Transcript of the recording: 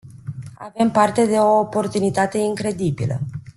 Avem parte de o oportunitate incredibilă.